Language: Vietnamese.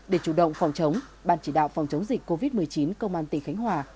để chủ động phòng chống ban chỉ đạo phòng chống dịch covid một mươi chín công an tỉnh khánh hòa